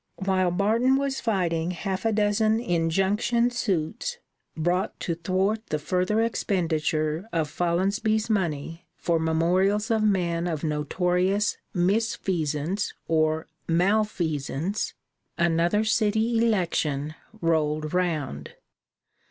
While Barton was fighting half a dozen injunction suits brought to thwart the further expenditure of Follonsby's money for memorials of men of notorious misfeasance or malfeasance, another city election rolled round.